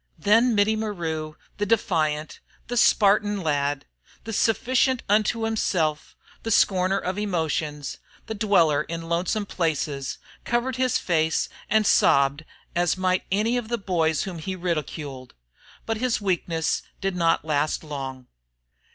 Then Mittie Maru, the defiant, the Spartan lad, the sufficient unto himself, the scorner of emotions, the dweller in lonesome places, covered his face and sobbed as might any of the boys whom he ridiculed. But his weakness did not last long.